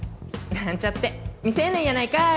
「なんちゃって未成年やないかい」。